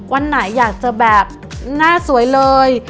วันไหนอยากจะแบบหน้าสวยเลย